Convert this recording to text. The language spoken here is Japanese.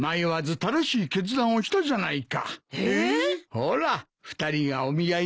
ほら２人がお見合いをしたとき。